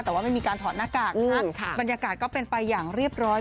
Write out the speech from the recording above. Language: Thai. แต่ว่าไม่มีการถอดหน้ากากนะคะบรรยากาศก็เป็นไปอย่างเรียบร้อย